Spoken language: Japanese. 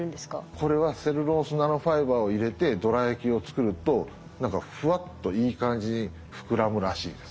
これはセルロースナノファイバーを入れてどら焼きを作ると何かフワッといい感じに膨らむらしいです。